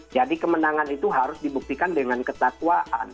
jadi kemenangan itu harus dibuktikan dengan ketakwaan